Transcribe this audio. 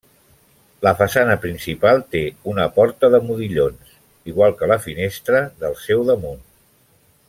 La façana principal té una porta de modillons, igual que la finestra del seu damunt.